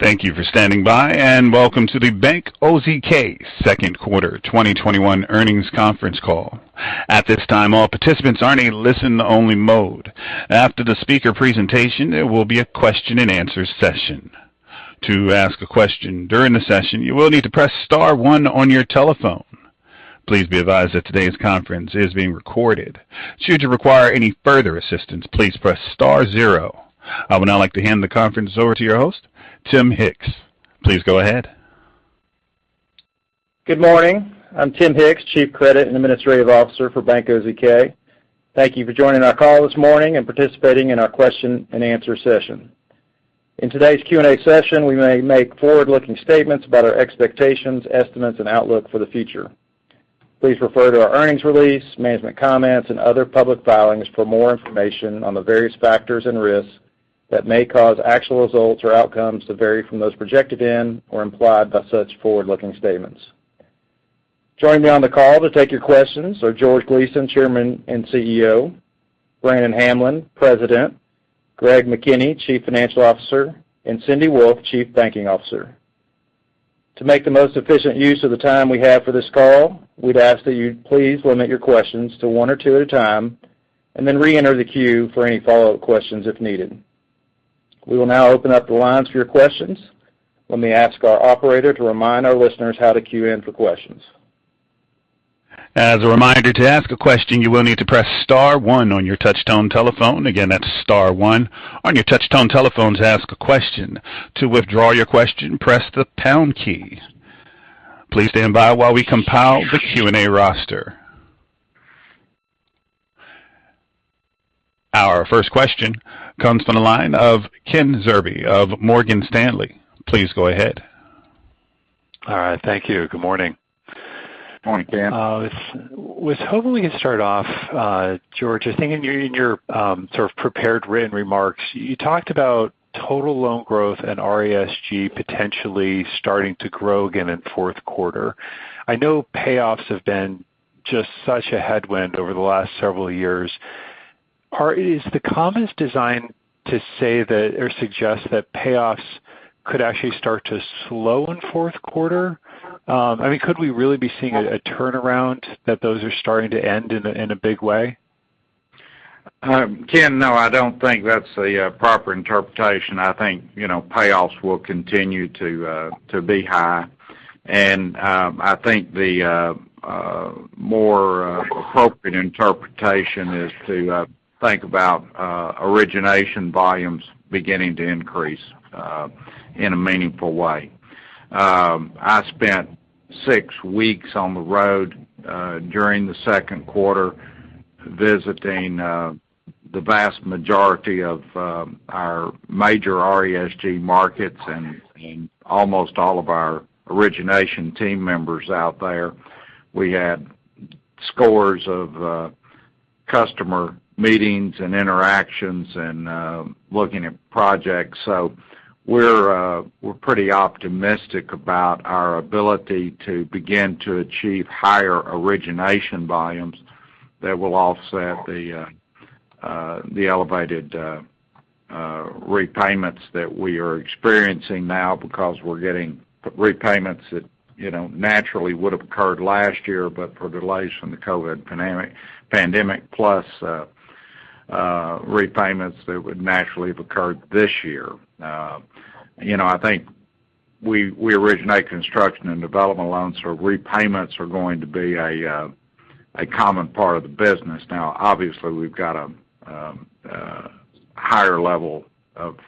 Thank you for standing by, and welcome to the Bank OZK second quarter 2021 earnings conference call. At this time, all participants are in a listen only mode. After the speaker presentation, there will be a question and answer session. To ask a question during the session, you will need to press star one on your telephone. Please be advised that today's conference is being recorded. Should you require any further assistance, please press star zero. I would now like to hand the conference over to your host, Tim Hicks. Please go ahead. Good morning. I'm Tim Hicks, Chief Credit and Administrative Officer for Bank OZK. Thank you for joining our call this morning and participating in our question and answer session. In today's Q&A session, we may make forward-looking statements about our expectations, estimates, and outlook for the future. Please refer to our earnings release, management comments, and other public filings for more information on the various factors and risks that may cause actual results or outcomes to vary from those projected in or implied by such forward-looking statements. Joining me on the call to take your questions are George Gleason, Chairman and CEO, Brannon Hamblen, President, Greg McKinney, Chief Financial Officer, and Cindy Wolfe, Chief Banking Officer. To make the most efficient use of the time we have for this call, we'd ask that you please limit your questions to one or two at a time, and then reenter the queue for any follow-up questions if needed. We will now open up the lines for your questions. Let me ask our operator to remind our listeners how to queue in for questions. As a reminder, to ask a question, you will need to press star one on your touchtone telephone. Again, that's star one on your touchtone telephone to ask a question. To withdraw your question, press the pound key. Please stand by while we compile the Q&A roster. Our first question comes from the line of Ken Zerbe of Morgan Stanley. Please go ahead. All right. Thank you. Good morning. Morning, Ken. I was hoping to start off, George, I think in your sort of prepared written remarks, you talked about total loan growth and RESG potentially starting to grow again in fourth quarter. I know payoffs have been just such a headwind over the last several years. Is the comment designed to say that or suggest that payoffs could actually start to slow in fourth quarter? Could we really be seeing a turnaround that those are starting to end in a big way? Ken, no, I don't think that's the proper interpretation. I think payoffs will continue to be high. I think the more appropriate interpretation is to think about origination volumes beginning to increase in a meaningful way. I spent six weeks on the road during the second quarter visiting the vast majority of our major RESG markets and almost all of our origination team members out there. We had scores of customer meetings and interactions and looking at projects. We're pretty optimistic about our ability to begin to achieve higher origination volumes that will offset the elevated prepayments that we are experiencing now because we're getting prepayments that naturally would have occurred last year, but for delays from the COVID pandemic, plus prepayments that would naturally have occurred this year. I think we originate construction and development loans, so repayments are going to be a common part of the business. Now, obviously, we've got a higher level of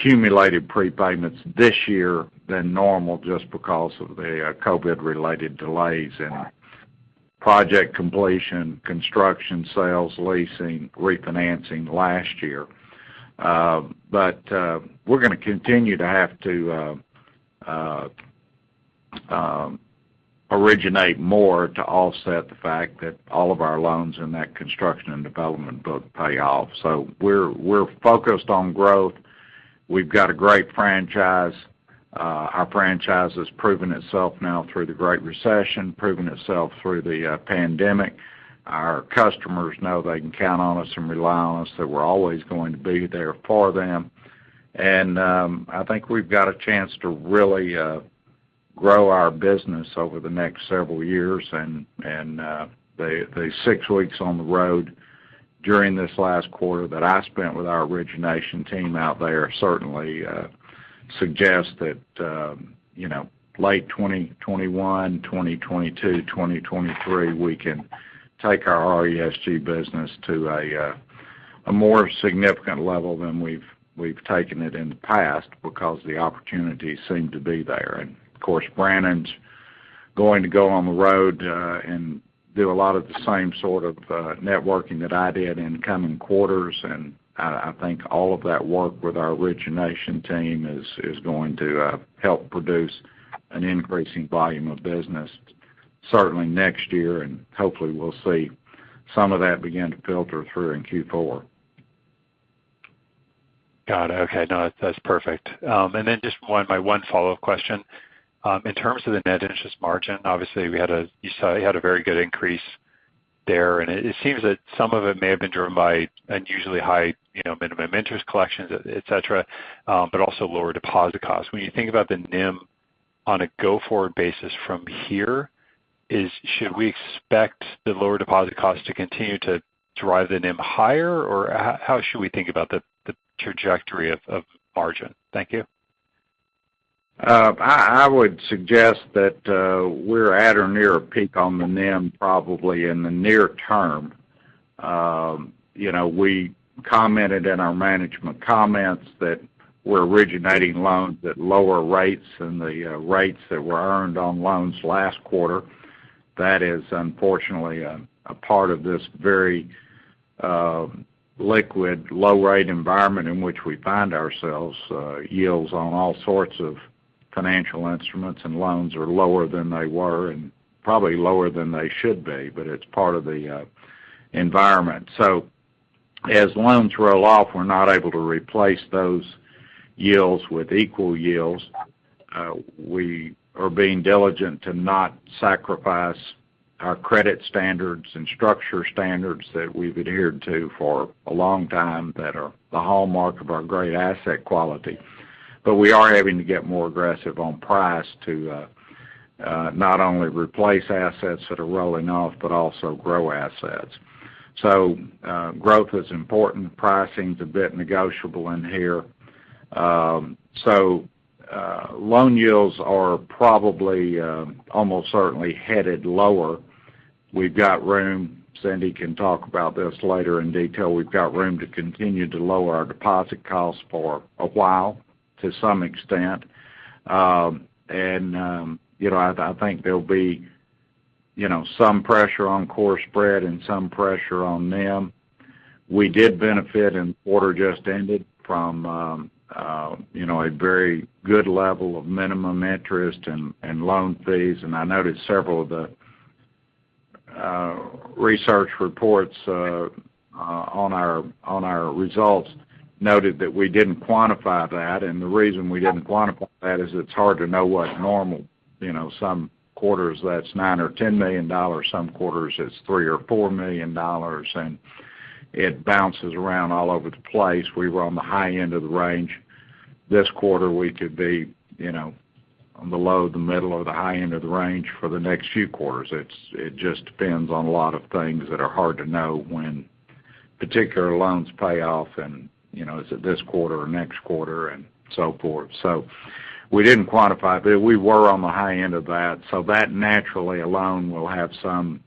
accumulated prepayments this year than normal just because of the COVID-related delays in our project completion, construction, sales, leasing, refinancing last year. We're going to continue to have to originate more to offset the fact that all of our loans in that construction and development book pay off. We're focused on growth. We've got a great franchise. Our franchise has proven itself now through the Great Recession, proven itself through the pandemic. Our customers know they can count on us and rely on us, that we're always going to be there for them. I think we've got a chance to really grow our business over the next several years. The six weeks on the road during this last quarter that I spent with our origination team out there certainly suggests that late 2021, 2022, 2023, we can take our RESG business to a more significant level than we've taken it in the past because the opportunities seem to be there. Of course, Brannon's going to go on the road and do a lot of the same sort of networking that I did in coming quarters. I think all of that work with our origination team is going to help produce an increasing volume of business, certainly next year, and hopefully we'll see some of that begin to filter through in Q4. Got it. Okay. No, that's perfect. Just my one follow-up question. In terms of the net interest margin, obviously, you had a very good increase there. It seems that some of it may have been driven by unusually high minimum interest collections, et cetera, but also lower deposit costs. When you think about the NIM on a go-forward basis from here, should we expect the lower deposit costs to continue to drive the NIM higher? How should we think about the trajectory of margin? Thank you. I would suggest that we're at or near a peak on the NIM probably in the near term. We commented in our management comments that we're originating loans at lower rates than the rates that were earned on loans last quarter. That is unfortunately a part of this very liquid low-rate environment in which we find ourselves. Yields on all sorts of financial instruments and loans are lower than they were, and probably lower than they should be, but it's part of the environment. As loans roll off, we're not able to replace those yields with equal yields. We are being diligent to not sacrifice our credit standards and structure standards that we've adhered to for a long time, that are the hallmark of our great asset quality. We are having to get more aggressive on price to not only replace assets that are rolling off, but also grow assets. Growth is important. Pricing's a bit negotiable in here. Loan yields are probably almost certainly headed lower. We've got room, Cindy can talk about this later in detail, we've got room to continue to lower our deposit costs for a while, to some extent. I think there'll be some pressure on core spread and some pressure on NIM. We did benefit in the quarter just ended from a very good level of minimum interest and loan fees. I noted several of the research reports on our results noted that we didn't quantify that. The reason we didn't quantify that is it's hard to know what's normal. Some quarters that's $9 million or $10 million, some quarters it's $3 million or $4 million, and it bounces around all over the place. We were on the high end of the range. This quarter, we could be on the low, the middle, or the high end of the range for the next few quarters. It just depends on a lot of things that are hard to know when particular loans pay off, and is it this quarter or next quarter and so forth. We didn't quantify, but we were on the high end of that, so that naturally alone will have some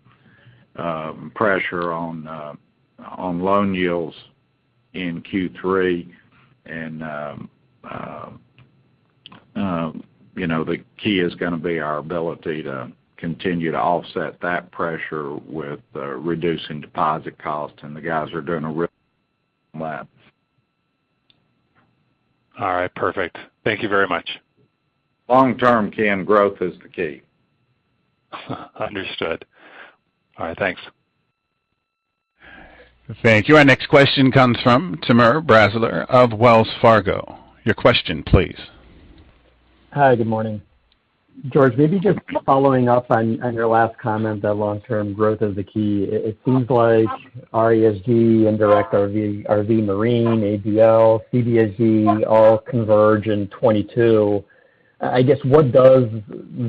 pressure on loan yields in Q3. The key is going to be our ability to continue to offset that pressure with reducing deposit costs, and the guys are doing a really on that. All right, perfect. Thank you very much. Long term, Ken, growth is the key. Understood. All right, thanks. Thank you. Our next question comes from Timur Braziler of Wells Fargo. Your question, please. Hi, good morning. George, maybe just following up on your last comment that long-term growth is the key. It seems like RESG, Indirect RV, Marine, ABL, CBSG all converge in 2022. I guess what does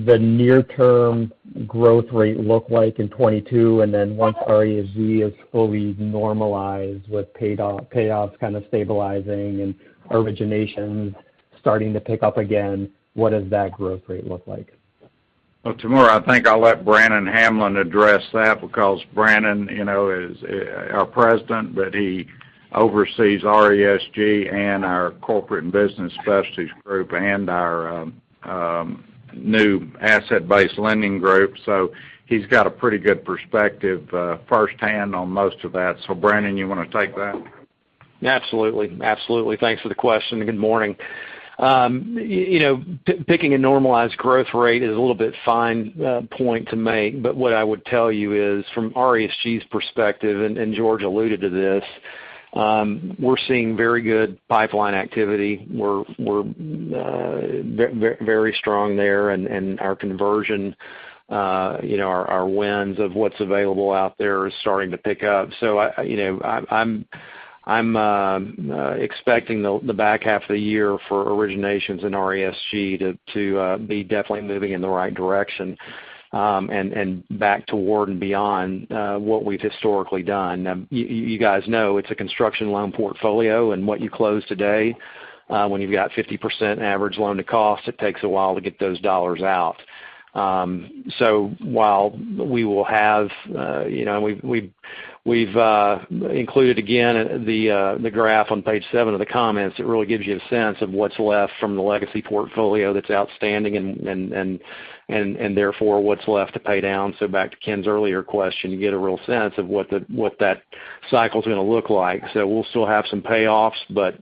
the near-term growth rate look like in 2022? Then once RESG is fully normalized with payoffs kind of stabilizing and originations starting to pick up again, what does that growth rate look like? Well, Timur, I think I'll let Brannon Hamblen address that because Brannon is our President, but he oversees RESG and our Corporate and Business Specialties Group and our new Asset Based Lending Group. He's got a pretty good perspective firsthand on most of that. Brannon, you want to take that? Absolutely. Thanks for the question. Good morning. Picking a normalized growth rate is a little bit fine point to make, but what I would tell you is from RESG's perspective, and George alluded to this, we're seeing very good pipeline activity. We're very strong there, and our conversion, our wins of what's available out there is starting to pick up. I'm expecting the back half of the year for originations in RESG to be definitely moving in the right direction, and back toward and beyond what we've historically done. You guys know it's a construction loan portfolio, and what you close today, when you've got 50% average loan to cost, it takes a while to get those dollars out. While we've included again, the graph on page seven of the comments, it really gives you a sense of what's left from the legacy portfolio that's outstanding, and therefore what's left to pay down. Back to Ken's earlier question, you get a real sense of what that cycle is going to look like. We'll still have some payoffs, but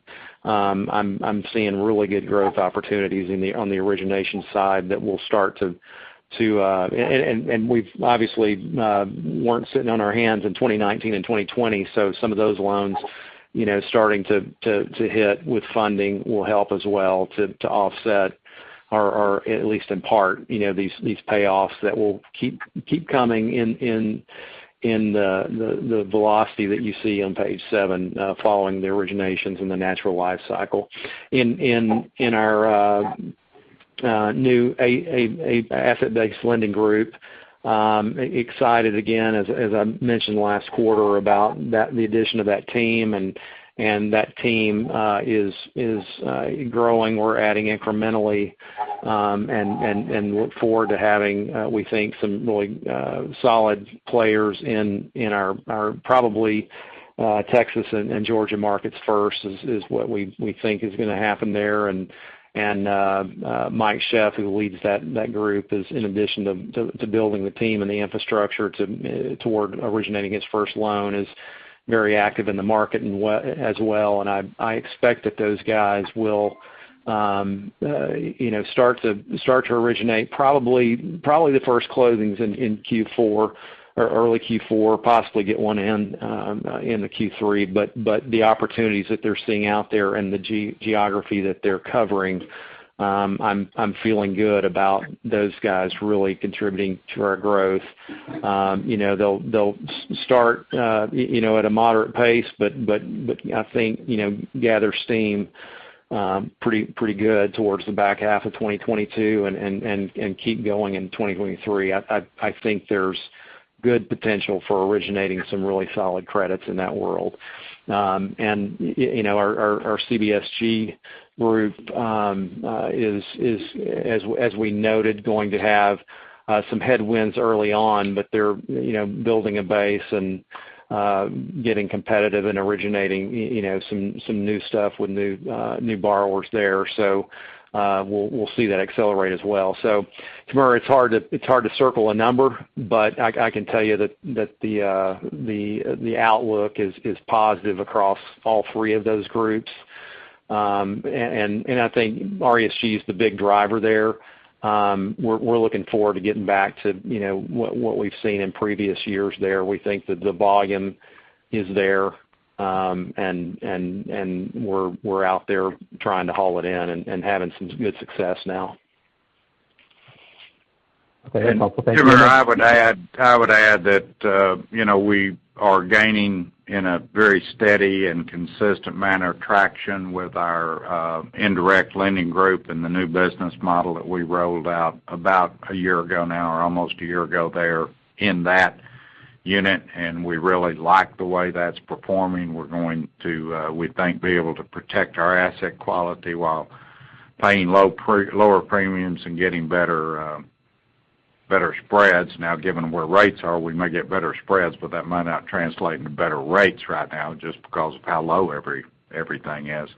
I'm seeing really good growth opportunities on the origination side. We've obviously weren't sitting on our hands in 2019 and 2020, so some of those loans starting to hit with funding will help as well to offset, or at least in part, these payoffs that will keep coming in the velocity that you see on page seven, following the originations and the natural life cycle. In our new asset-based lending group, excited again, as I mentioned last quarter, about the addition of that team, and that team is growing. We're adding incrementally and look forward to having, we think, some really solid players in our probably Texas and Georgia markets first, is what we think is going to happen there. Mike Sheff, who leads that group, in addition to building the team and the infrastructure toward originating his first loan, is very active in the market as well. I expect that those guys will start to originate probably the first closings in early Q4, possibly get one in the Q3. The opportunities that they're seeing out there and the geography that they're covering, I'm feeling good about those guys really contributing to our growth. They'll start at a moderate pace, but I think gather steam pretty good towards the back half of 2022 and keep going into 2023. I think there's good potential for originating some really solid credits in that world. Our CBSG group is, as we noted, going to have some headwinds early on, but they're building a base and getting competitive and originating some new stuff with new borrowers there. We'll see that accelerate as well. Timur, it's hard to circle a number, but I can tell you that the outlook is positive across all three of those groups. I think RESG is the big driver there. We're looking forward to getting back to what we've seen in previous years there. We think that the volume is there, and we're out there trying to haul it in and having some good success now. Go ahead, multiple things. Timur, I would add that we are gaining, in a very steady and consistent manner, traction with our indirect lending group and the new business model that we rolled out about a year ago now, or almost a year ago there in that unit, and we really like the way that's performing. We're going to, we think, be able to protect our asset quality while paying lower premiums and getting better spreads now. Given where rates are, we may get better spreads, but that might not translate into better rates right now just because of how low everything is.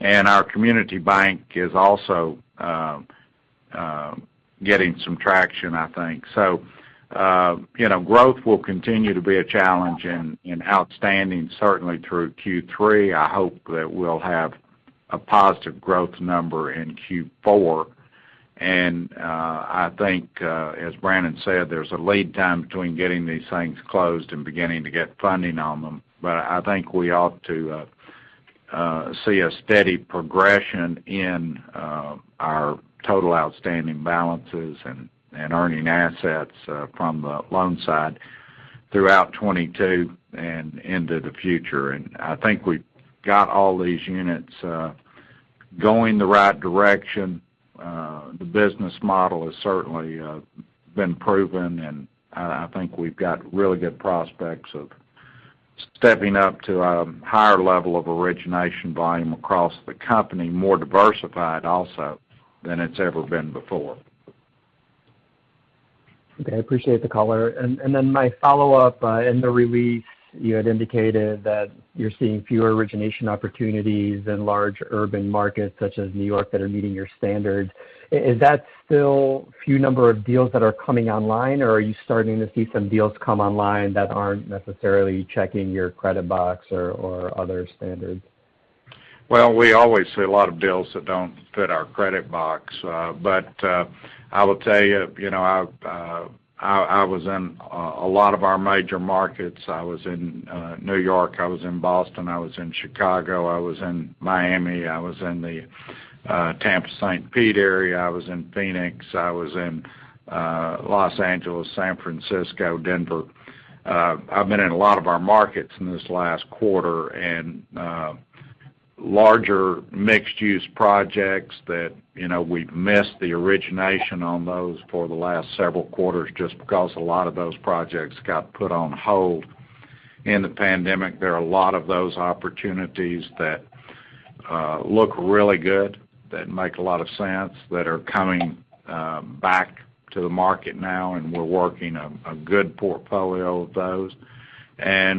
Our community bank is also getting some traction, I think. Growth will continue to be a challenge in outstanding, certainly through Q3. I hope that we'll have a positive growth number in Q4. I think, as Brannon said, there's a lead time between getting these things closed and beginning to get funding on them. I think we ought to see a steady progression in our total outstanding balances and earning assets from the loan side throughout 2022 and into the future. I think we've got all these units going the right direction. The business model has certainly been proven, and I think we've got really good prospects of stepping up to a higher level of origination volume across the company, more diversified also than it's ever been before. Okay. I appreciate the color. My follow-up, in the release, you had indicated that you're seeing fewer origination opportunities in large urban markets such as New York that are meeting your standards. Is that still few number of deals that are coming online, or are you starting to see some deals come online that aren't necessarily checking your credit box or other standards? Well, we always see a lot of deals that don't fit our credit box. I will tell you, I was in a lot of our major markets. I was in New York, I was in Boston, I was in Chicago, I was in Miami, I was in the Tampa-St. Pete area, I was in Phoenix, I was in Los Angeles, San Francisco, Denver. I've been in a lot of our markets in this last quarter, and larger mixed-use projects that we've missed the origination on those for the last several quarters just because a lot of those projects got put on hold in the pandemic. There are a lot of those opportunities that look really good, that make a lot of sense, that are coming back to the market now, and we're working a good portfolio of those.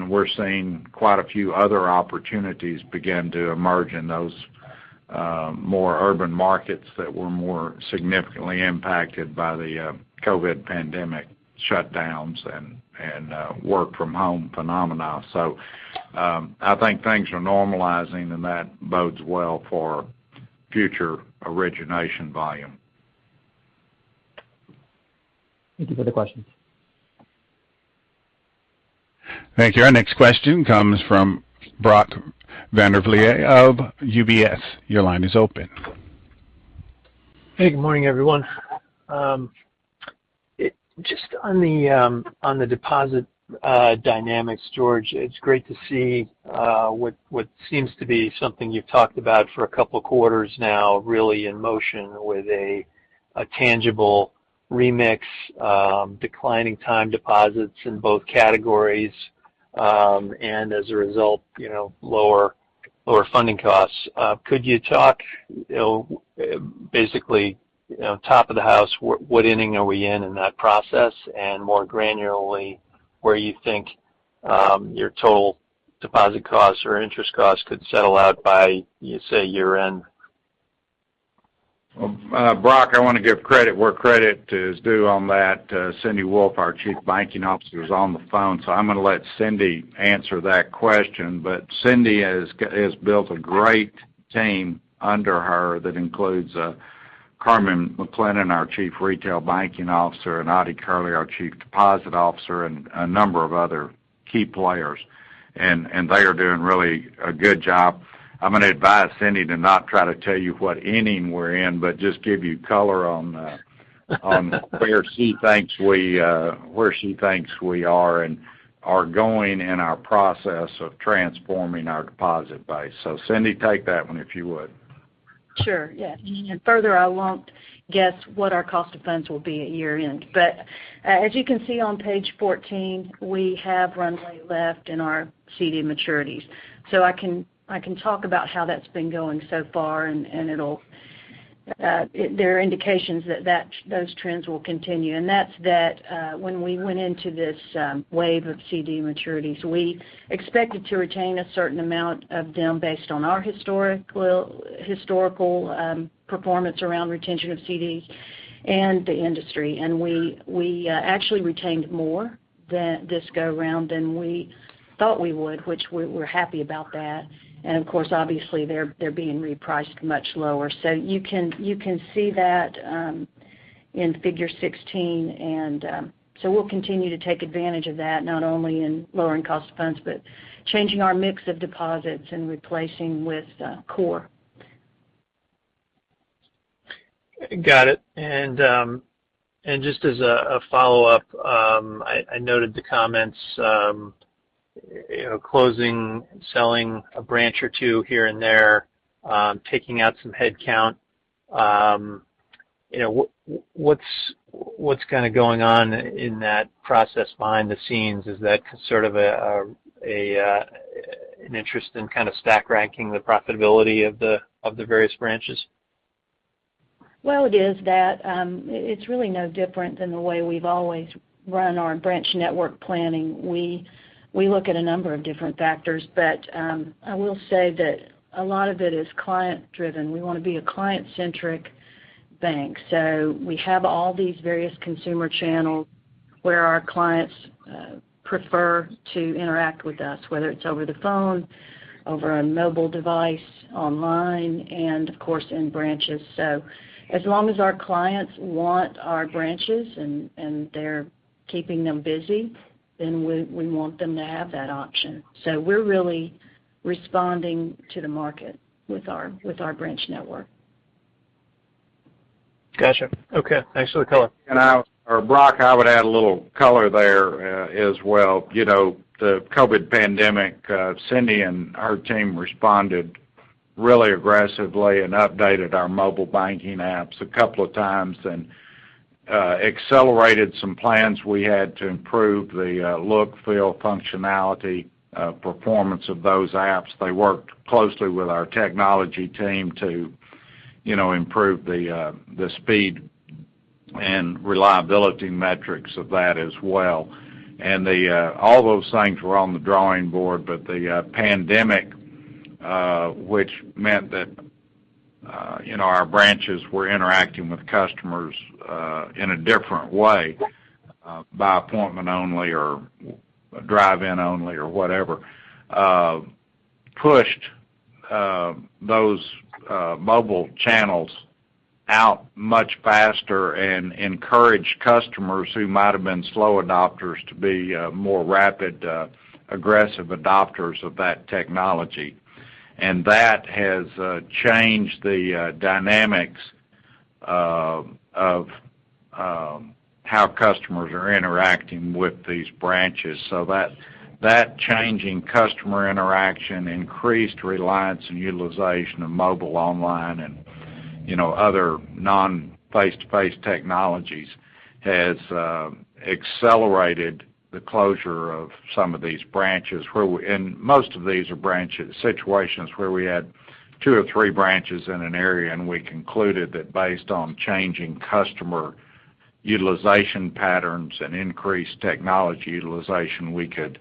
We're seeing quite a few other opportunities begin to emerge in those more urban markets that were more significantly impacted by the COVID pandemic shutdowns and work-from-home phenomena. I think things are normalizing, and that bodes well for future origination volume. Thank you for the question. Thank you. Our next question comes from Brock Vandervliet of UBS. Your line is open. Hey, good morning, everyone. Just on the deposit dynamics, George, it's great to see what seems to be something you've talked about for a couple of quarters now really in motion with a tangible remix, declining time deposits in both categories, and as a result, lower funding costs. Could you talk basically, top of the house, what inning are we in in that process, and more granularly, where you think your total deposit costs or interest costs could settle out by, say, year-end? Brock, I want to give credit where credit is due on that. Cindy Wolfe, our Chief Banking Officer, is on the phone. I'm going to let Cindy answer that question. Cindy has built a great team under her that includes Carmen McClennon, our Chief Retail Banking Officer, and Ottie Kerley, our Chief Deposit Officer, and a number of other key players. They are doing really a good job. I'm going to advise Cindy to not try to tell you what inning we're in, but just give you color where she thinks we are and are going in our process of transforming our deposit base. Cindy, take that one, if you would. Sure, yeah. Further, I won't guess what our cost of funds will be at year-end. As you can see on page 14, we have runway left in our CD maturities. I can talk about how that's been going so far, and there are indications that those trends will continue. That's that when we went into this wave of CD maturities, we expected to retain a certain amount of them based on our historical performance around retention of CDs and the industry. We actually retained more this go around than we thought we would, which we're happy about that. Of course, obviously, they're being repriced much lower. You can see that in figure 16. We'll continue to take advantage of that, not only in lowering cost of funds, but changing our mix of deposits and replacing with core. Got it. Just as a follow-up, I noted the comments, closing, selling a branch or two here and there, taking out some headcount. What's going on in that process behind the scenes? Is that sort of an interest in kind of stack ranking the profitability of the various branches? Well, it is that. It's really no different than the way we've always run our branch network planning. We look at a number of different factors, but I will say that a lot of it is client-driven. We want to be a client-centric bank. We have all these various consumer channels where our clients prefer to interact with us, whether it's over the phone, over a mobile device, online, and of course, in branches. As long as our clients want our branches and they're keeping them busy, then we want them to have that option. We're really responding to the market with our branch network. Got you. Okay, thanks for the color. Brock, I would add a little color there as well. The COVID pandemic, Cindy and her team responded really aggressively and updated our mobile banking apps a couple of times and accelerated some plans we had to improve the look, feel, functionality, performance of those apps. They worked closely with our technology team to improve the speed and reliability metrics of that as well. All those things were on the drawing board, but the pandemic, which meant that our branches were interacting with customers in a different way, by appointment only or drive-in only or whatever, pushed those mobile channels out much faster and encouraged customers who might have been slow adopters to be more rapid, aggressive adopters of that technology. That has changed the dynamics of how customers are interacting with these branches. That changing customer interaction increased reliance and utilization of mobile, online, and other non-face-to-face technologies has accelerated the closure of some of these branches. Most of these are situations where we had two or three branches in an area, and we concluded that based on changing customer utilization patterns and increased technology utilization, we could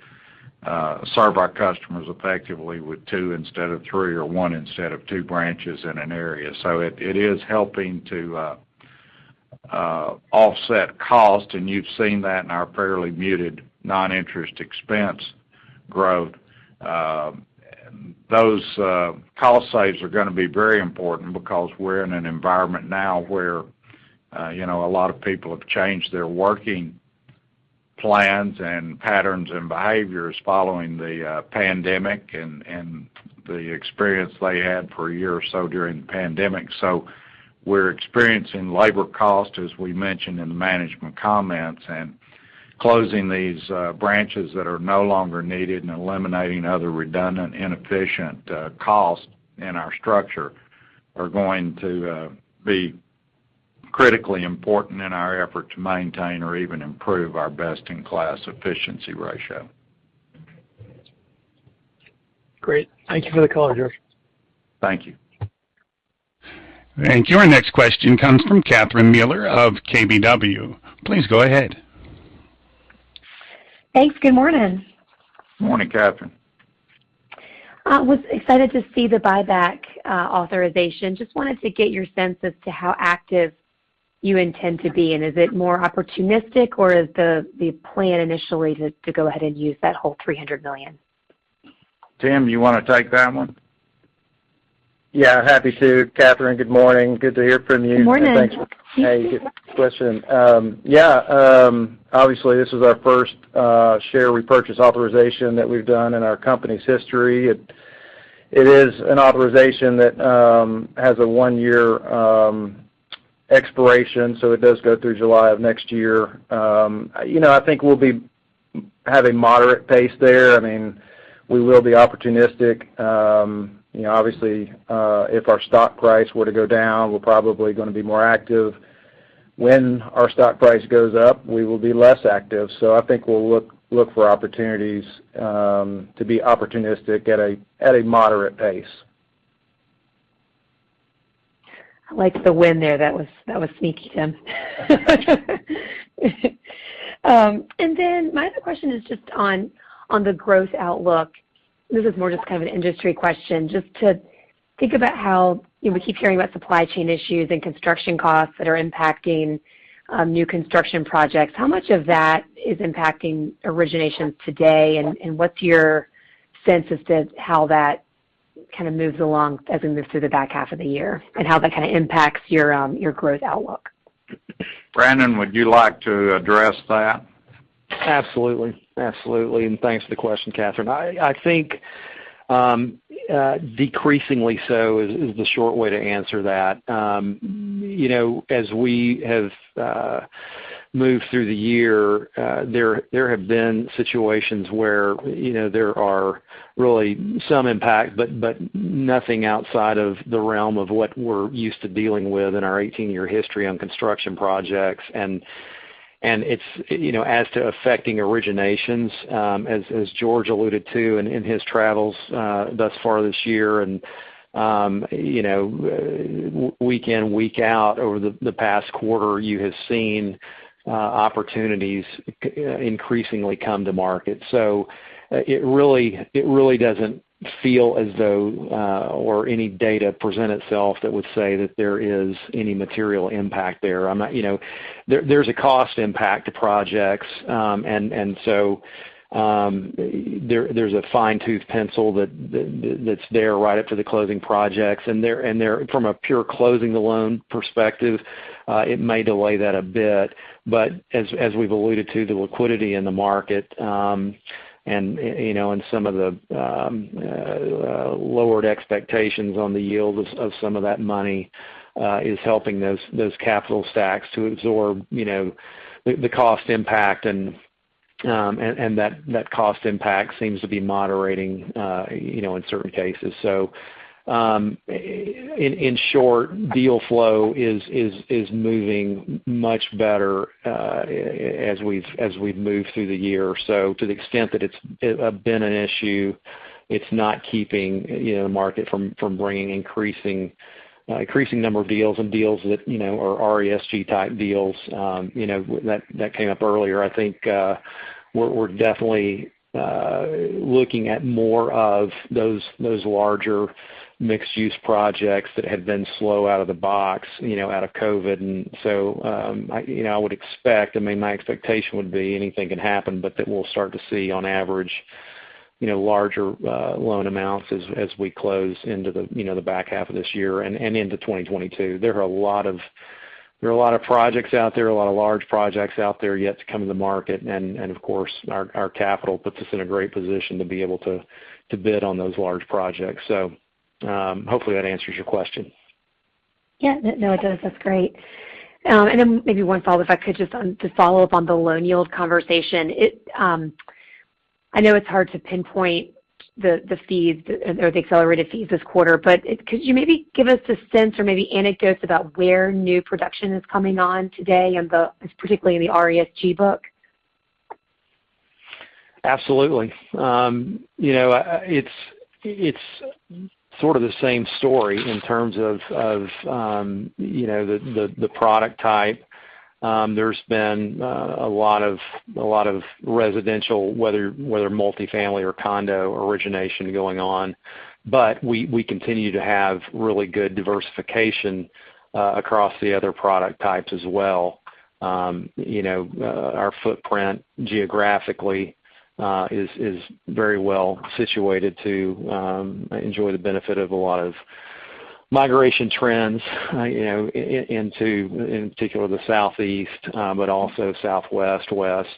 serve our customers effectively with two instead of three or one instead of two branches in an area. It is helping to offset cost, and you've seen that in our fairly muted non-interest expense growth. Those cost saves are going to be very important because we're in an environment now where a lot of people have changed their working plans and patterns and behaviors following the pandemic and the experience they had for a year or so during the pandemic. We're experiencing labor cost, as we mentioned in the management comments, and closing these branches that are no longer needed and eliminating other redundant, inefficient costs in our structure are going to be critically important in our effort to maintain or even improve our best-in-class efficiency ratio. Great. Thank you for the color, George. Thank you. Thank you. Our next question comes from Catherine Mealor of KBW. Please go ahead. Thanks. Good morning. Morning, Catherine. I was excited to see the buyback authorization. Just wanted to get your sense as to how active you intend to be, and is it more opportunistic, or is the plan initially to go ahead and use that whole $300 million? Tim, do you want to take that one? Yeah, happy to. Catherine, good morning. Good to hear from you. Good morning. Thanks for the question. Yeah. Obviously, this is our first share repurchase authorization that we've done in our company's history. It is an authorization that has a one-year expiration, so it does go through July of next year. I think we'll be having moderate pace there. We will be opportunistic. Obviously, if our stock price were to go down, we're probably going to be more active. When our stock price goes up, we will be less active. I think we'll look for opportunities to be opportunistic at a moderate pace. I like the win there. That was sneaky, Tim. My other question is just on the growth outlook. This is more just kind of an industry question, just to think about how we keep hearing about supply chain issues and construction costs that are impacting new construction projects. How much of that is impacting origination today, and what's your sense as to how that kind of moves along as we move through the back half of the year, and how that kind of impacts your growth outlook? Brannon, would you like to address that? Absolutely. Thanks for the question, Catherine. I think decreasingly so is the short way to answer that. As we have moved through the year, there have been situations where there are really some impact, but nothing outside of the realm of what we're used to dealing with in our 18-year history on construction projects. As to affecting originations, as George alluded to in his travels thus far this year, and week in, week out over the past quarter, you have seen opportunities increasingly come to market. It really doesn't feel as though, or any data present itself that would say that there is any material impact there. There's a cost impact to projects. There's a fine-tooth pencil that's there right up to the closing projects. From a pure closing-the-loan perspective, it may delay that a bit. As we've alluded to, the liquidity in the market, and some of the lowered expectations on the yield of some of that money is helping those capital stacks to absorb the cost impact, and that cost impact seems to be moderating in certain cases. In short, deal flow is moving much better as we've moved through the year. To the extent that it's been an issue, it's not keeping the market from bringing increasing number of deals and deals that are RESG-type deals. That came up earlier. I think we're definitely looking at more of those larger mixed-use projects that had been slow out of the box, out of COVID. I would expect, my expectation would be anything can happen, but that we'll start to see on average larger loan amounts as we close into the back half of this year and into 2022. There are a lot of projects out there, a lot of large projects out there yet to come to the market. Of course, our capital puts us in a great position to be able to bid on those large projects. Hopefully that answers your question. Yeah. No, it does. That's great. Then maybe one follow-up, if I could just to follow up on the loan yield conversation. I know it's hard to pinpoint the fees or the accelerated fees this quarter, but could you maybe give us a sense or maybe anecdotes about where new production is coming on today, and particularly in the RESG book? Absolutely. It's sort of the same story in terms of the product type. There's been a lot of residential, whether multifamily or condo origination going on. We continue to have really good diversification across the other product types as well. Our footprint geographically is very well situated to enjoy the benefit of a lot of migration trends into, in particular, the Southeast, but also Southwest, West.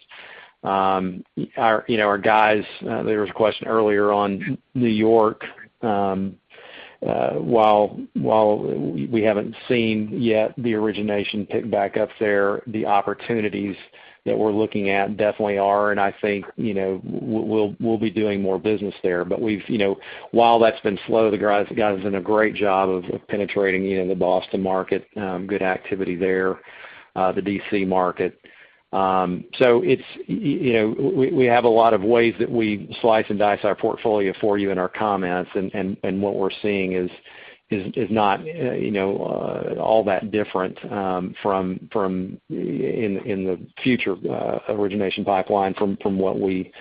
There was a question earlier on New York. While we haven't seen yet the origination pick back up there, the opportunities that we're looking at definitely are, and I think we'll be doing more business there. While that's been slow, the guys have done a great job of penetrating the Boston market, good activity there, the D.C. market. We have a lot of ways that we slice and dice our portfolio for you in our comments, and what we're seeing is not all that different in the future origination pipeline from what we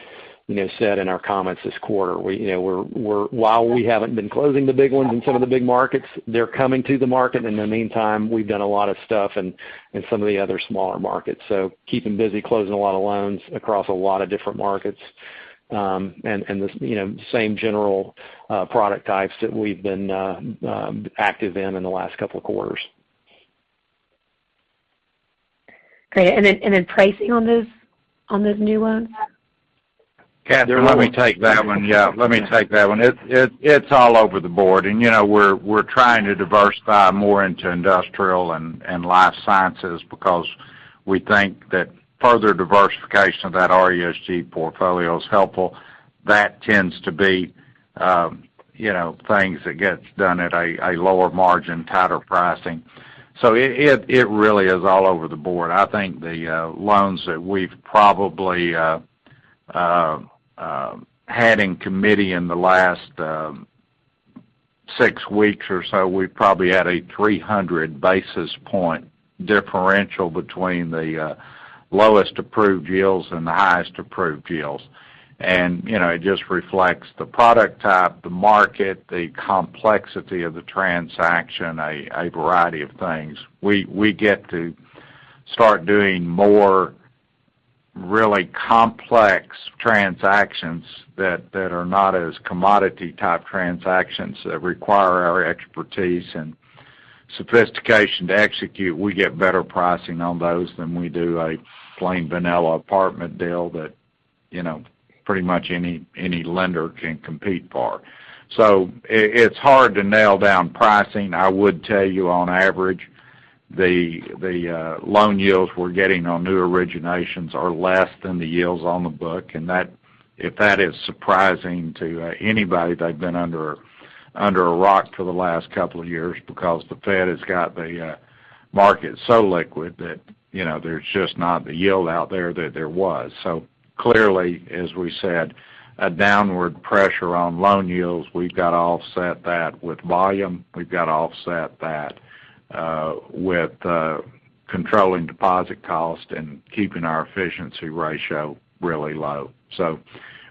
said in our comments this quarter. While we haven't been closing the big ones in some of the big markets, they're coming to the market. In the meantime, we've done a lot of stuff in some of the other smaller markets. Keeping busy, closing a lot of loans across a lot of different markets, and the same general product types that we've been active in in the last couple of quarters. Great. Then pricing on those new loans? Catherine, let me take that one. It's all over the board. We're trying to diversify more into industrial and life sciences because we think that further diversification of that RESG portfolio is helpful. That tends to be things that gets done at a lower margin, tighter pricing. It really is all over the board. I think the loans that we've probably had in committee in the last six weeks or so, we probably had a 300 basis point differential between the lowest approved yields and the highest approved yields. It just reflects the product type, the market, the complexity of the transaction, a variety of things. We get to start doing more really complex transactions that are not as commodity-type transactions, that require our expertise and sophistication to execute. We get better pricing on those than we do a plain vanilla apartment deal that pretty much any lender can compete for. It's hard to nail down pricing. I would tell you on average, the loan yields we're getting on new originations are less than the yields on the book, and if that is surprising to anybody, they've been under a rock for the last couple of years because the Fed has got the market so liquid that there's just not the yield out there that there was. Clearly, as we said, a downward pressure on loan yields. We've got to offset that with volume. We've got to offset that with controlling deposit cost and keeping our efficiency ratio really low.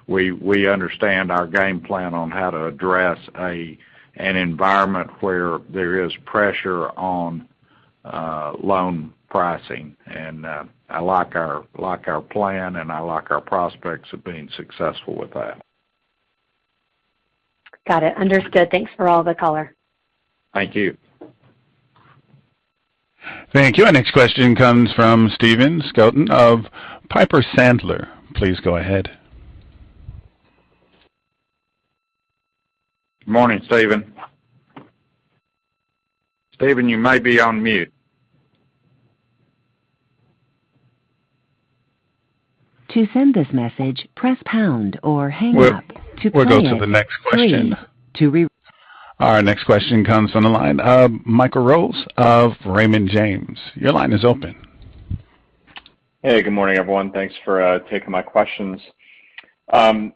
We understand our game plan on how to address an environment where there is pressure on loan pricing, and I like our plan, and I like our prospects of being successful with that. Got it. Understood. Thanks for all the color. Thank you. Thank you. Our next question comes from Stephen Scouten of Piper Sandler. Please go ahead. Morning, Stephen. Stephen, you may be on mute. To send this message, press pound or hang up. We'll go to the next question. To cancel, please to re- Our next question comes on the line of Michael Rose of Raymond James. Your line is open. Hey. Good morning, everyone. Thanks for taking my questions. One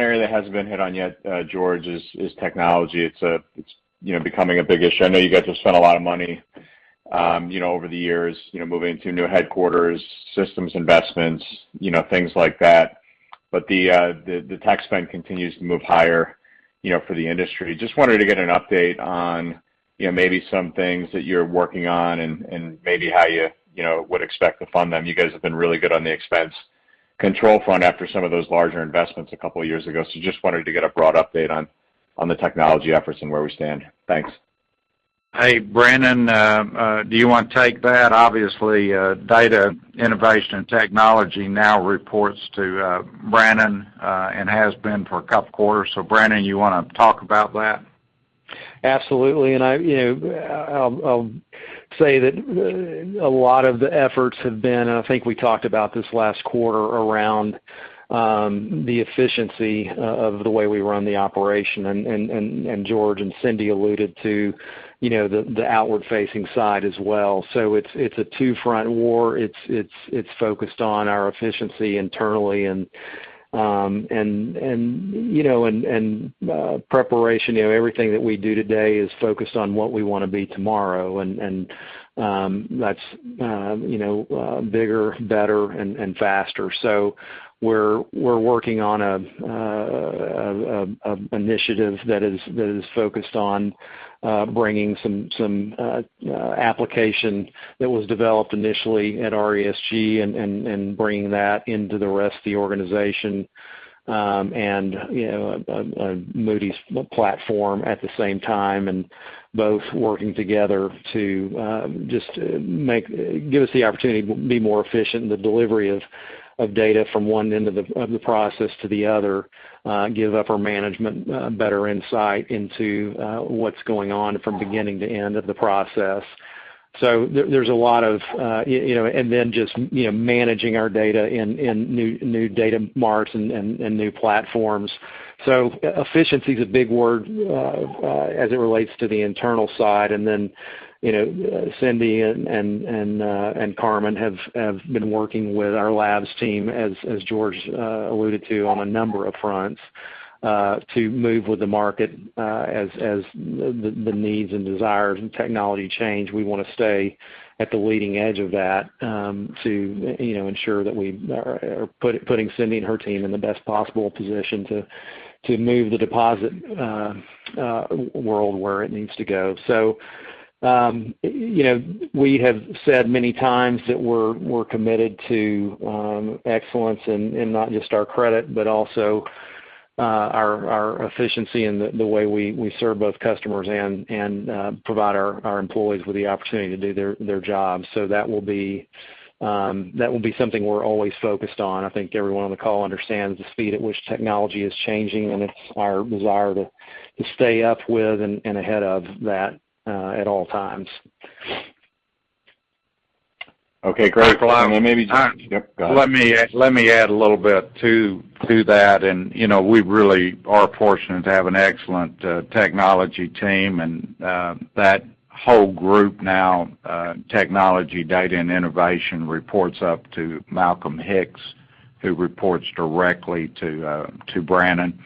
area that hasn't been hit on yet, George, is technology. It's becoming a big issue. I know you guys have spent a lot of money over the years, moving to new headquarters, systems investments, things like that. The tax spend continues to move higher for the industry. Just wanted to get an update on maybe some things that you're working on and maybe how you would expect to fund them. You guys have been really good on the expense control front after some of those larger investments a couple of years ago. Just wanted to get a broad update on the technology efforts and where we stand. Thanks. Hey, Brannon, do you want to take that? Obviously, data innovation and technology now reports to Brannon, and has been for a couple quarters. Brannon, you want to talk about that? Absolutely. I'll say that a lot of the efforts have been, and I think we talked about this last quarter, around the efficiency of the way we run the operation. George and Cindy alluded to the outward-facing side as well. It's a two-front war. It's focused on our efficiency internally and preparation. Everything that we do today is focused on what we want to be tomorrow. That's bigger, better, and faster. We're working on an initiative that is focused on bringing some application that was developed initially at RESG and bringing that into the rest of the organization and Moody's platform at the same time, and both working together to just give us the opportunity to be more efficient in the delivery of data from one end of the process to the other, give upper management better insight into what's going on from beginning to end of the process. Then just managing our data in new data marts and new platforms. Efficiency is a big word as it relates to the internal side. Then, Cindy and Carmen have been working with our Labs team, as George alluded to, on a number of fronts to move with the market as the needs and desires and technology change. We want to stay at the leading edge of that to ensure that we are putting Cindy and her team in the best possible position to move the deposit world where it needs to go. We have said many times that we're committed to excellence in not just our credit, but also our efficiency in the way we serve both customers and provide our employees with the opportunity to do their jobs. That will be something we're always focused on. I think everyone on the call understands the speed at which technology is changing, and it's our desire to stay up with and ahead of that at all times. Okay, great. Let me add a little bit to that. We really are fortunate to have an excellent technology team. That whole group now, technology, data, and innovation reports up to Malcolm Hicks, who reports directly to Brannon.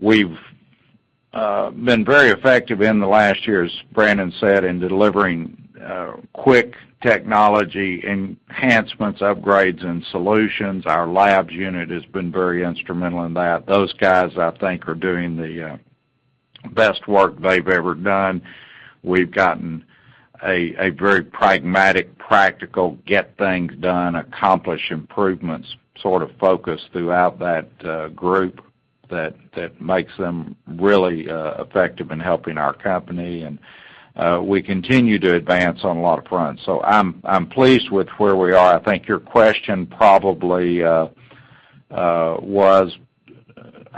We've been very effective in the last year, as Brannon said, in delivering quick technology enhancements, upgrades, and solutions. Our Labs unit has been very instrumental in that. Those guys, I think, are doing the best work they've ever done. We've gotten a very pragmatic, practical, get things done, accomplish improvements sort of focus throughout that group that makes them really effective in helping our company. We continue to advance on a lot of fronts. I'm pleased with where we are. I think your question probably was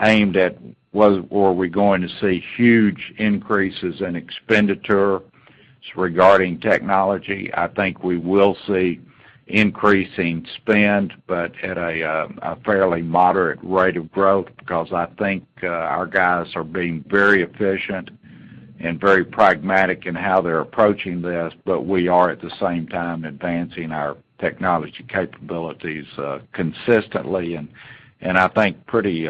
aimed at, were we going to see huge increases in expenditures regarding technology? I think we will see increasing spend, but at a fairly moderate rate of growth, because I think our guys are being very efficient and very pragmatic in how they're approaching this. We are, at the same time, advancing our technology capabilities consistently, and I think pretty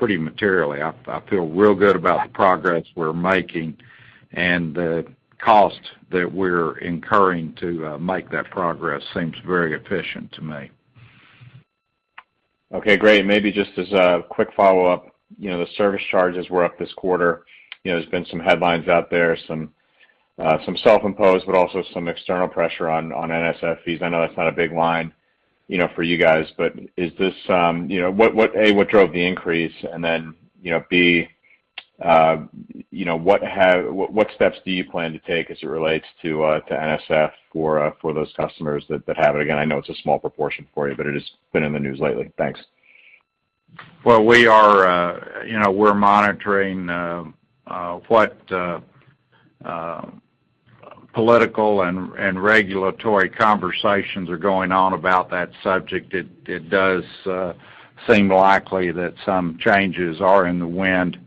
materially. I feel real good about the progress we're making, and the cost that we're incurring to make that progress seems very efficient to me. Okay, great. Maybe just as a quick follow-up, the service charges were up this quarter. There's been some headlines out there, some self-imposed, but also some external pressure on NSF fees. I know that's not a big line for you guys. A, what drove the increase? B, what steps do you plan to take as it relates to NSF for those customers that have it? Again, I know it's a small proportion for you, but it has been in the news lately. Thanks. We're monitoring what political and regulatory conversations are going on about that subject. It does seem likely that some changes are in the wind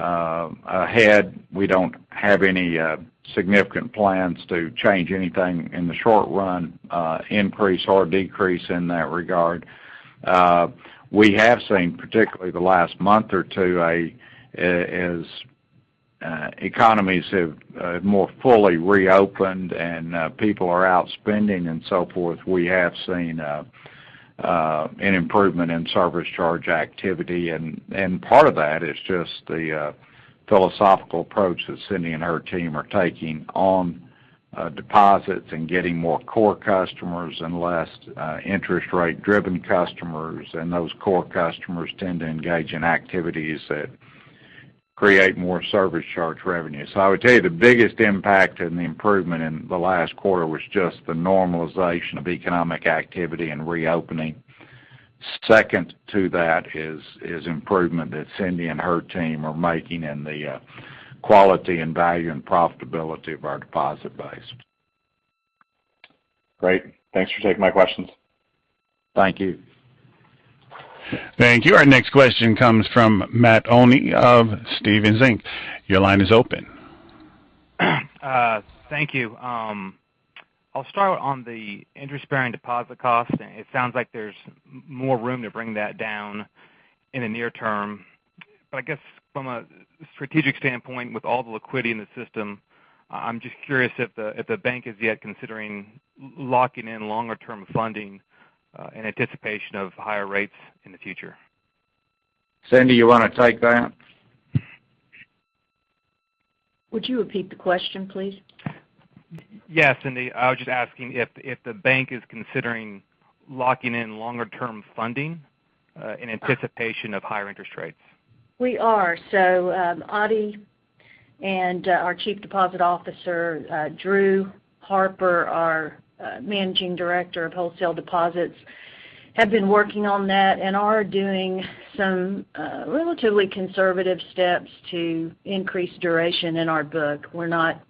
ahead. We don't have any significant plans to change anything in the short run, increase or decrease in that regard. We have seen, particularly the last month or two, as economies have more fully reopened and people are out spending and so forth, we have seen an improvement in service charge activity. Part of that is just the philosophical approach that Cindy and her team are taking on deposits and getting more core customers and less interest rate-driven customers. Those core customers tend to engage in activities that create more service charge revenue. I would tell you, the biggest impact in the improvement in the last quarter was just the normalization of economic activity and reopening. Second to that is improvement that Cindy and her team are making in the quality and value and profitability of our deposit base. Great. Thanks for taking my questions. Thank you. Thank you. Our next question comes from Matt Olney of Stephens Inc. Your line is open. Thank you. I'll start on the interest-bearing deposit cost. It sounds like there's more room to bring that down in the near term. I guess from a strategic standpoint, with all the liquidity in the system, I'm just curious if the bank is yet considering locking in longer-term funding in anticipation of higher rates in the future. Cindy, you want to take that? Would you repeat the question, please? Yes, Cindy. I was just asking if the bank is considering locking in longer-term funding, in anticipation of higher interest rates. We are. Ottie and our Chief Deposit Officer, Drew Harper, our Managing Director of wholesale deposits, have been working on that and are doing some relatively conservative steps to increase duration in our book. We're not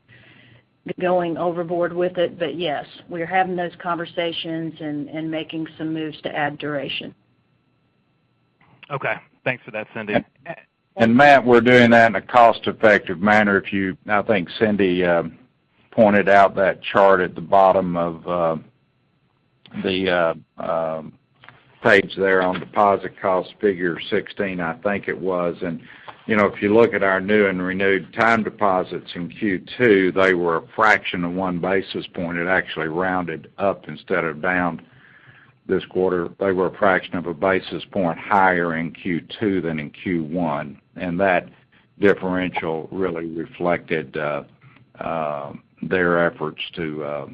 going overboard with it, but yes, we are having those conversations and making some moves to add duration. Okay. Thanks for that, Cindy. Matt, we're doing that in a cost-effective manner. I think Cindy pointed out that chart at the bottom of the page there on deposit cost, figure 16, I think it was. If you look at our new and renewed time deposits in Q2, they were a fraction of 1 basis point. It actually rounded up instead of down this quarter. They were a fraction of a basis point higher in Q2 than in Q1. That differential really reflected their efforts to,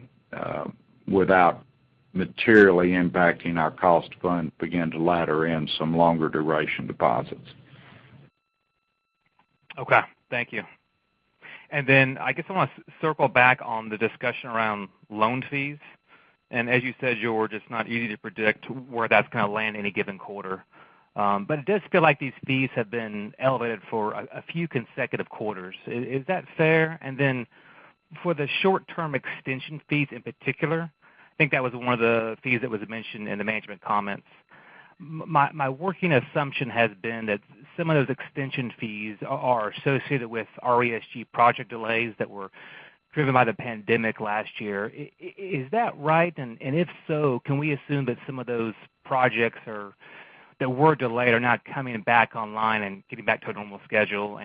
without materially impacting our cost of funds, begin to ladder in some longer duration deposits. Okay. Thank you. I guess I want to circle back on the discussion around loan fees. As you said, George, it's not easy to predict where that's going to land any given quarter. It does feel like these fees have been elevated for a few consecutive quarters. Is that fair? For the short-term extension fees in particular, I think that was one of the fees that was mentioned in the management comments. My working assumption has been that some of those extension fees are associated with RESG project delays that were driven by the pandemic last year. Is that right? If so, can we assume that some of those projects that were delayed are now coming back online and getting back to a normal schedule?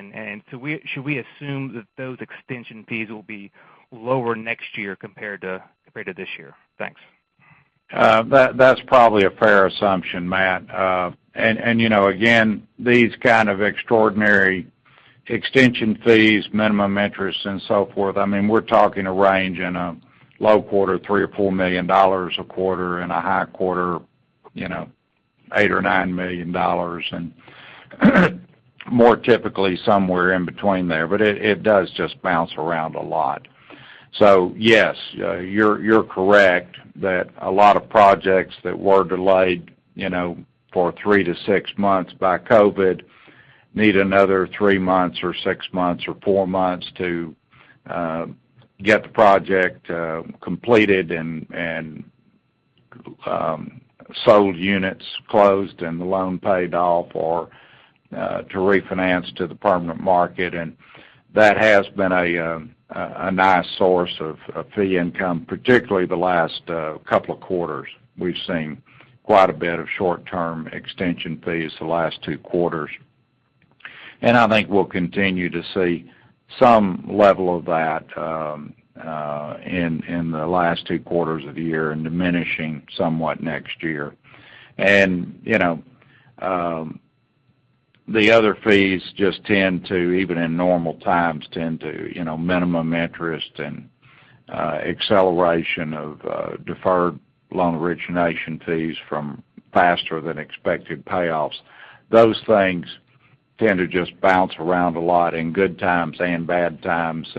Should we assume that those extension fees will be lower next year compared to this year? Thanks. That's probably a fair assumption, Matt. Again, these kind of extraordinary extension fees, minimum interest, and so forth, we're talking a range in a low quarter, $3 million or $4 million a quarter, in a high quarter, $8 million or $9 million, and more typically somewhere in between there. It does just bounce around a lot. Yes, you're correct that a lot of projects that were delayed for three to six months by COVID need another three months or six months or four months to get the project completed and sold units closed and the loan paid off or to refinance to the permanent market. That has been a nice source of fee income, particularly the last couple of quarters. We've seen quite a bit of short-term extension fees the last two quarters. I think we'll continue to see some level of that in the last two quarters of the year and diminishing somewhat next year. The other fees, even in normal times, tend to minimum interest and acceleration of deferred loan origination fees from faster than expected payoffs. Those things tend to just bounce around a lot in good times and bad times.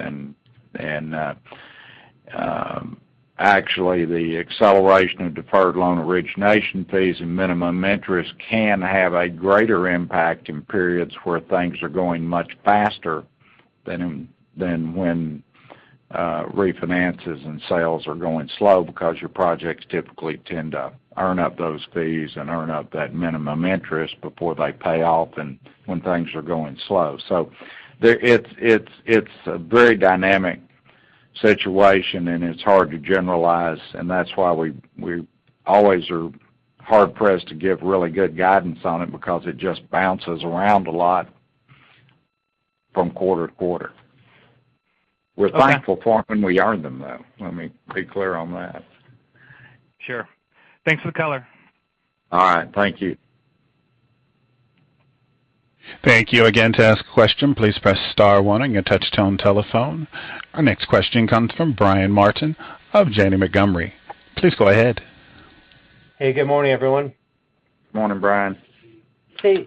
Actually, the acceleration of deferred loan origination fees and minimum interest can have a greater impact in periods where things are going much faster than when refinances and sales are going slow because your projects typically tend to earn up those fees and earn up that minimum interest before they pay off and when things are going slow. It's a very dynamic situation, and it's hard to generalize, and that's why we always are hard-pressed to give really good guidance on it because it just bounces around a lot from quarter to quarter. Okay. We're thankful for when we earn them, though. Let me be clear on that. Sure. Thanks for the color. All right. Thank you. Thank you. To ask a question, please press star one on your touch-tone telephone. Our next question comes from Brian Martin of Janney Montgomery. Please go ahead. Hey, good morning, everyone. Morning, Brian. Hey,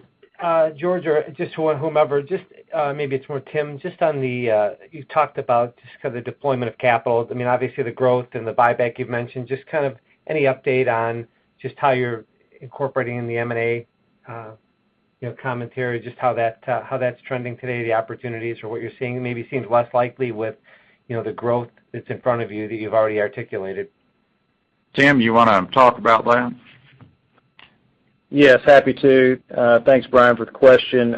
George or just whomever, maybe it's more Tim, you talked about just kind of the deployment of capital, the growth and the buyback you've mentioned. Just kind of any update on just how you're incorporating the M&A commentary, just how that's trending today, the opportunities for what you're seeing, maybe seems less likely with the growth that's in front of you that you've already articulated. Tim, you want to talk about that? Yes, happy to. Thanks, Brian, for the question.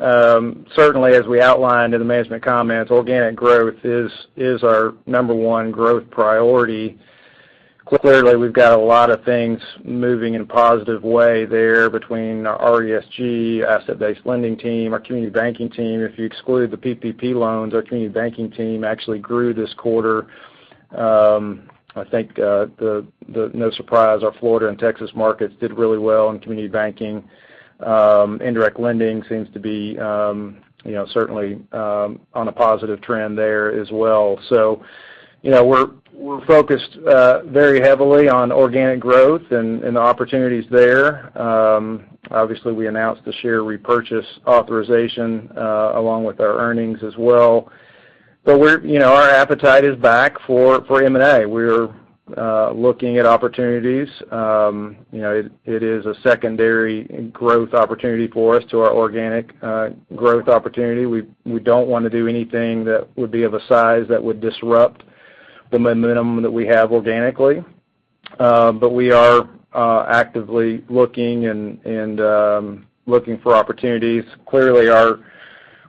Certainly, as we outlined in the management comments, organic growth is our number one growth priority. Clearly, we've got a lot of things moving in a positive way there between our RESG asset-based lending team, our community banking team. If you exclude the PPP loans, our community banking team actually grew this quarter. I think no surprise, our Florida and Texas markets did really well in community banking. Indirect lending seems to be certainly on a positive trend there as well. We're focused very heavily on organic growth and the opportunities there. Obviously, we announced the share repurchase authorization, along with our earnings as well. Our appetite is back for M&A. We're looking at opportunities. It is a secondary growth opportunity for us to our organic growth opportunity. We don't want to do anything that would be of a size that would disrupt the momentum that we have organically. We are actively looking for opportunities. Clearly,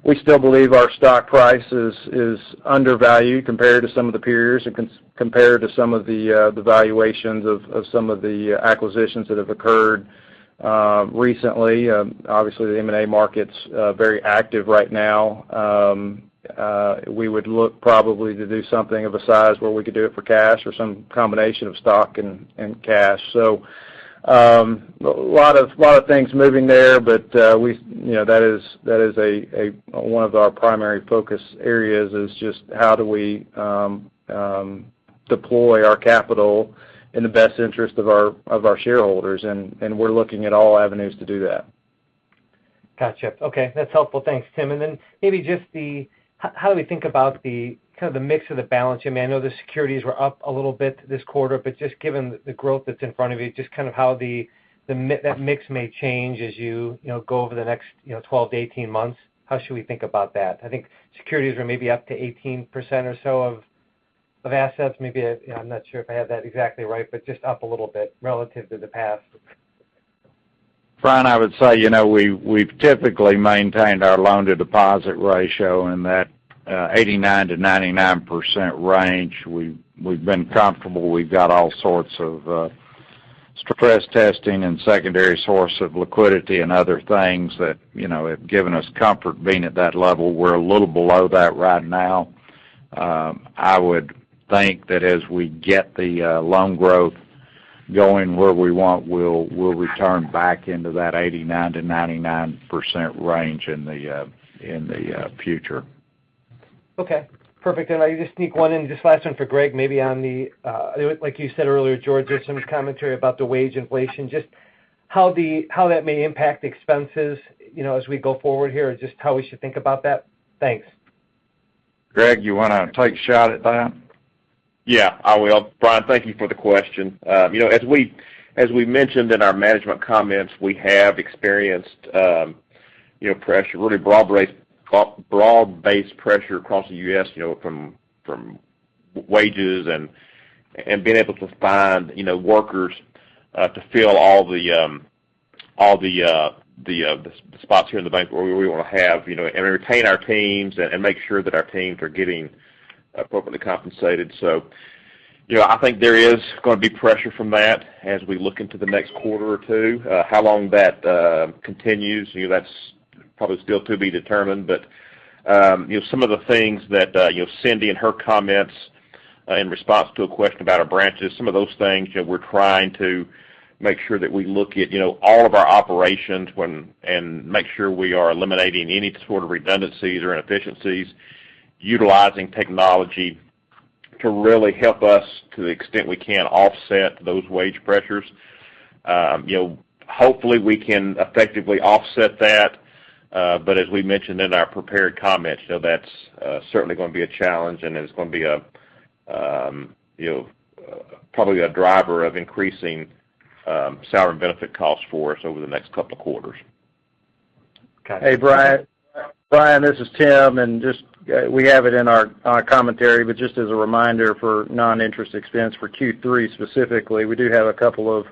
we still believe our stock price is undervalued compared to some of the peers and compared to some of the valuations of some of the acquisitions that have occurred recently. Obviously, the M&A market's very active right now. We would look probably to do something of a size where we could do it for cash or some combination of stock and cash. A lot of things moving there, but that is one of our primary focus areas, is just how do we deploy our capital in the best interest of our shareholders. We're looking at all avenues to do that. Got you. Okay, that's helpful. Thanks, Tim. Maybe just how do we think about the kind of the mix of the balance? I know the securities were up a little bit this quarter, but just given the growth that's in front of you, just kind of how that mix may change as you go over the next 12-18 months. How should we think about that? I think securities were maybe up to 18% or so of assets. Maybe I'm not sure if I have that exactly right, but just up a little bit relative to the past. Brian, I would say, we've typically maintained our loan to deposit ratio in that 89%-99% range. We've been comfortable. We've got all sorts of stress testing and secondary source of liquidity and other things that have given us comfort being at that level. We're a little below that right now. I would think that as we get the loan growth going where we want, we'll return back into that 89%-99% range in the future. Okay, perfect. I'll just sneak one in, just last one for Greg, maybe like you said earlier, George, there's some commentary about the wage inflation. Just how that may impact expenses as we go forward here, and just how we should think about that? Thanks. Greg, you want to take a shot at that? Yeah, I will. Brian, thank you for the question. As we mentioned in our management comments, we have experienced pressure, really broad-based pressure across the U.S. from wages and being able to find workers to fill all the spots here in the Bank where we want to have and retain our teams and make sure that our teams are getting appropriately compensated. I think there is going to be pressure from that as we look into the next quarter or two. How long that continues, that's probably still to be determined. Some of the things that Cindy in her comments in response to a question about our branches, some of those things that we're trying to make sure that we look at all of our operations and make sure we are eliminating any sort of redundancies or inefficiencies, utilizing technology to really help us to the extent we can offset those wage pressures. Hopefully, we can effectively offset that. As we mentioned in our prepared comments, that's certainly going to be a challenge, and it's going to be probably a driver of increasing salary and benefit costs for us over the next couple of quarters. Got you. Hey, Brian, this is Tim. Just we have it in our commentary, but just as a reminder for non-interest expense for Q3 specifically, we do have a couple of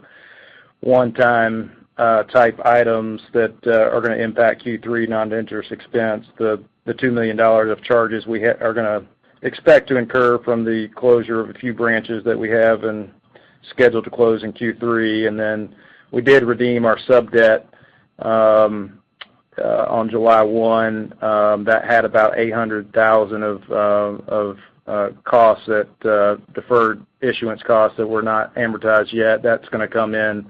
one-time type items that are going to impact Q3 non-interest expense. The $2 million of charges we are going to expect to incur from the closure of a few branches that we have and scheduled to close in Q3. Then we did redeem our sub-debt on July 1. That had about $800,000 of costs that deferred issuance costs that were not amortized yet. That's going to come in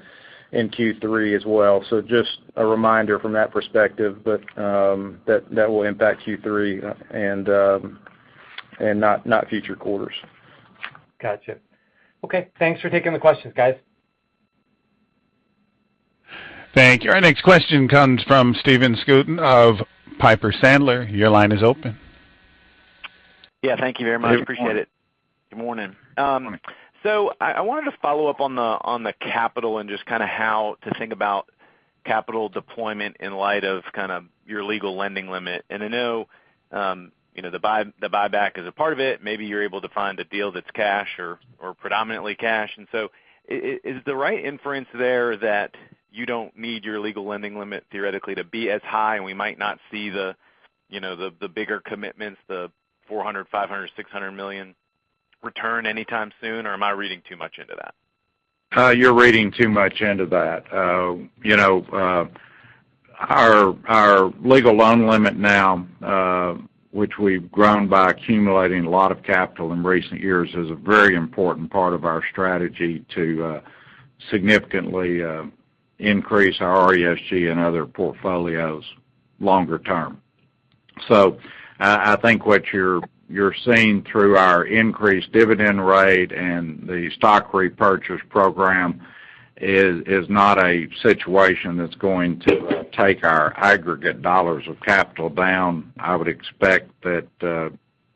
in Q3 as well. Just a reminder from that perspective, but that will impact Q3 and not future quarters. Got you. Okay. Thanks for taking the questions, guys. Thank you. Our next question comes from Stephen Scouten of Piper Sandler. Your line is open. Yeah, thank you very much. Appreciate it. Good morning. Good morning. I wanted to follow up on the capital and just kind of how to think about capital deployment in light of kind of your legal lending limit. I know the buyback is a part of it. Maybe you're able to find a deal that's cash or predominantly cash. Is the right inference there that you don't need your legal lending limit theoretically to be as high, and we might not see the bigger commitments, the $400 million, $500 million, $600 million return anytime soon, or am I reading too much into that? You're reading too much into that. Our legal loan limit now, which we've grown by accumulating a lot of capital in recent years, is a very important part of our strategy to significantly increase our RESG and other portfolios longer term. I think what you're seeing through our increased dividend rate and the stock repurchase program is not a situation that's going to take our aggregate dollars of capital down. I would expect that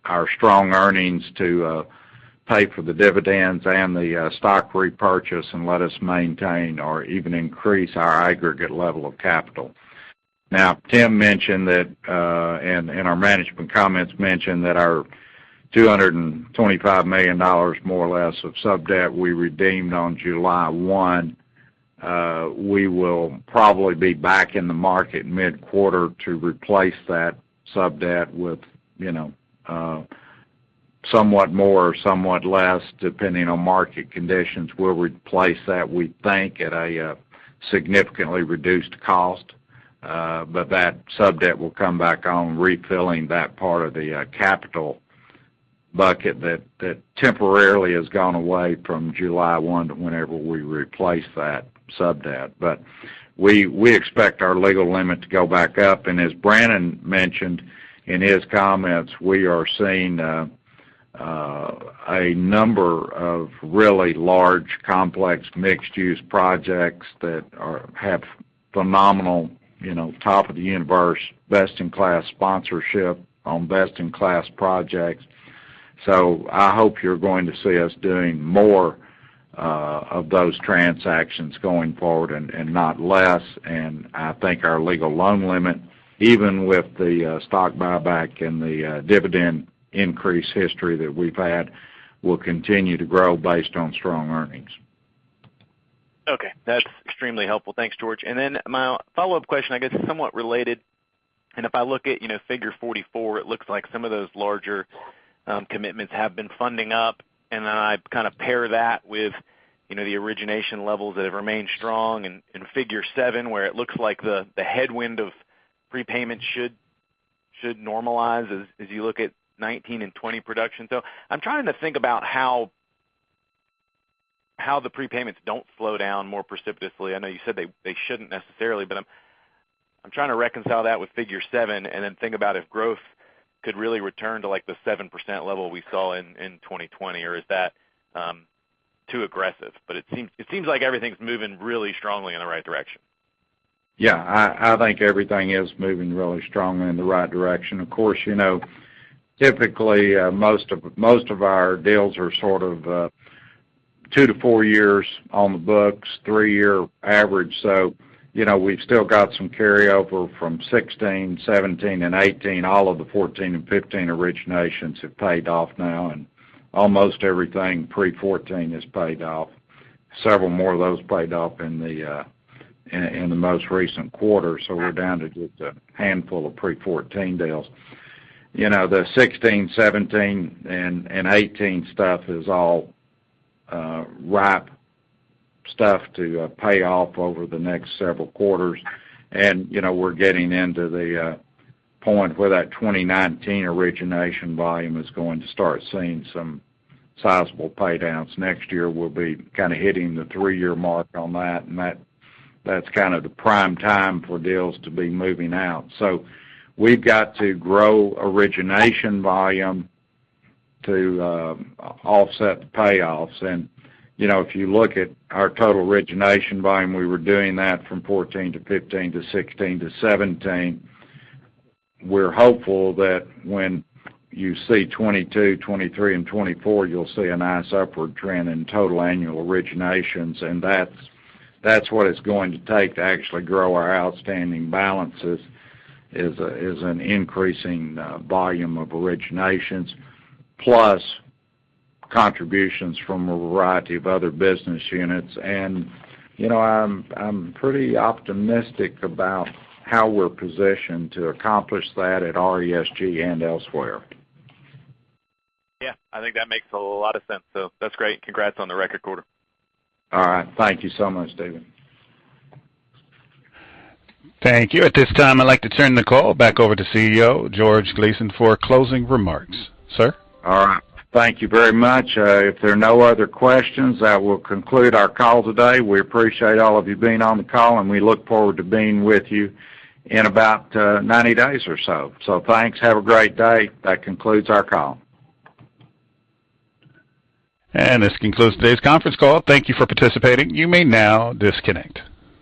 our strong earnings to pay for the dividends and the stock repurchase, and let us maintain or even increase our aggregate level of capital. Now, Tim mentioned that, and our management comments mentioned that our $225 million, more or less, of sub-debt we redeemed on July 1. We will probably be back in the market mid-quarter to replace that sub-debt with somewhat more or somewhat less, depending on market conditions. We'll replace that, we think, at a significantly reduced cost. That sub-debt will come back on refilling that part of the capital bucket that temporarily has gone away from July 1 to whenever we replace that sub-debt. We expect our legal limit to go back up, and as Brannon mentioned in his comments, we are seeing a number of really large, complex, mixed-use projects that have phenomenal, top of the universe, best-in-class sponsorship on best-in-class projects. I hope you're going to see us doing more of those transactions going forward and not less. I think our legal loan limit, even with the stock buyback and the dividend increase history that we've had, will continue to grow based on strong earnings. Okay. That's extremely helpful. Thanks, George. Then my follow-up question, I guess, is somewhat related. If I look at Figure 44, it looks like some of those larger commitments have been funding up, and then I pair that with the origination levels that have remained strong in Figure 7, where it looks like the headwind of prepayments should normalize as you look at 2019 and 2020 production. I'm trying to think about how the prepayments don't slow down more precipitously. I know you said they shouldn't necessarily, but I'm trying to reconcile that with Figure 7, and then think about if growth could really return to the 7% level we saw in 2020, or is that too aggressive? It seems like everything's moving really strongly in the right direction. Yeah. I think everything is moving really strongly in the right direction. Of course, typically, most of our deals are sort of two to four years on the books, three-year average. We've still got some carryover from 2016, 2017, and 2018. All of the 2014 and 2015 originations have paid off now, and almost everything pre-2014 has paid off. Several more of those paid off in the most recent quarter, so we're down to just a handful of pre-2014 deals. The 2016, 2017, and 2018 stuff is all ripe stuff to pay off over the next several quarters. We're getting into the point where that 2019 origination volume is going to start seeing some sizable pay-downs. Next year, we'll be kind of hitting the three-year mark on that, and that's kind of the prime time for deals to be moving out. We've got to grow origination volume to offset the payoffs. If you look at our total origination volume, we were doing that from 2014 to 2015 to 2016 to 2017. We're hopeful that when you see 2022, 2023, and 2024, you'll see a nice upward trend in total annual originations. That's what it's going to take to actually grow our outstanding balances, is an increasing volume of originations, plus contributions from a variety of other business units. I'm pretty optimistic about how we're positioned to accomplish that at RESG and elsewhere. Yeah. I think that makes a lot of sense. That's great. Congrats on the record quarter. All right. Thank you so much, David. Thank you. At this time, I'd like to turn the call back over to CEO, George Gleason, for closing remarks. Sir? All right. Thank you very much. If there are no other questions, that will conclude our call today. We appreciate all of you being on the call, and we look forward to being with you in about 90 days or so. Thanks. Have a great day. That concludes our call. This concludes today's conference call. Thank you for participating. You may now disconnect.